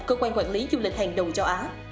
cơ quan quản lý du lịch hàng đầu châu á